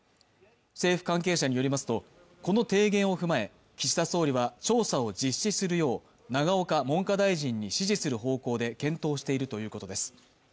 政府関係者によりますと、この提言を踏まえ調査を実施するよう永岡文科大臣に指示する方向で検討しているということです。